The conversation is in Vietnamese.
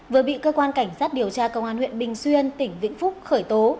vừa bị cơ quan cảnh sát điều tra công an huyện bình xuyên tỉnh vĩnh phúc khởi tố